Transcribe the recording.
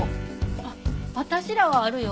あっ私らはあるよ。